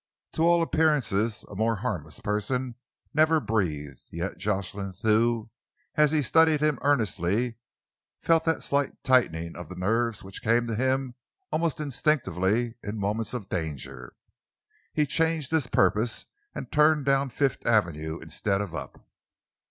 To all appearances a more harmless person never breathed, yet Jocelyn Thew, as he studied him earnestly, felt that slight tightening of the nerves which came to him almost instinctively in moments of danger. He changed his purpose and turned down Fifth Avenue instead of up.